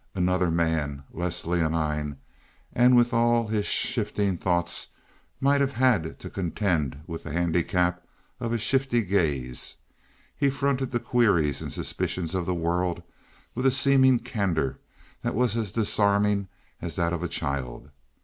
Another man, less leonine, and with all his shifting thoughts, might have had to contend with the handicap of a shifty gaze; he fronted the queries and suspicions of the world with a seeming candor that was as disarming as that of a child.